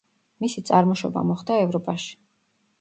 მისი წარმოშობა მოხდა ევროპაში.